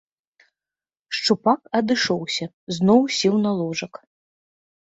Шчупак адышоўся, зноў сеў на ложак.